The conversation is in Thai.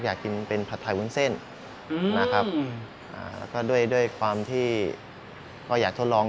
อยากกินเป็นผัดไทยวุ้นเส้นนะครับแล้วก็ด้วยด้วยความที่ก็อยากทดลอง